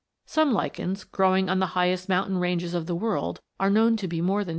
Some lichens, growing on the highest mountain ranges of the world, are known to be more than 2,000 years old!